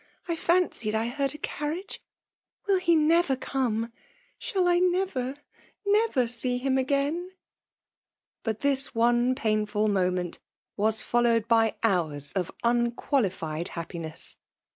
— I fancied I heard a carriage !— Will he never come ?— Shall I never — never see him again V But this one painful moment was followed by hours, of unqualified liappiness.